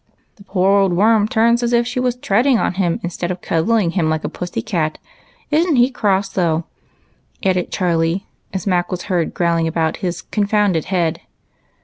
" The poor old A¥orm turns as if she was treading on him instead of cuddling him like a pussy cat. Is n't he cross, though ?" added Charlie, as Mac was heard growling about his " confounded head."